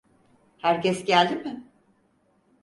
Herkes geldi mi?